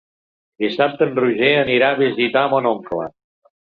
Dissabte en Roger anirà a visitar mon oncle.